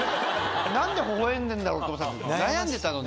何でほほえんでんだろうと思ったけど悩んでたのね。